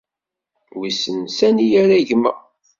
Wissen sani yerra gma.